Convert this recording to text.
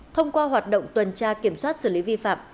thông qua hoạt động tuần tra kiểm soát xử lý vi phạm